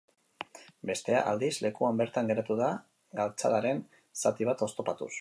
Bestea, aldiz, lekuan bertan geratu da galtzadaren zati bat oztopatuz.